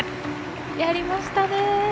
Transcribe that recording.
やりましたね。